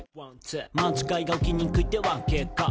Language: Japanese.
「間違いが起きにくいってわけか」